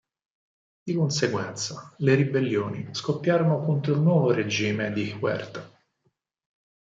Di conseguenza, le ribellioni scoppiarono contro il nuovo regime di Huerta.